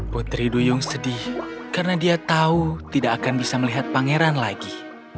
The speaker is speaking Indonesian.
putri duyung sedih karena dia tahu tidak akan bisa melihat pangeran lagi